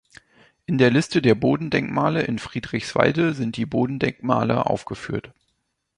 In der Liste der Bodendenkmale in Friedrichswalde sind die Bodendenkmale aufgeführt.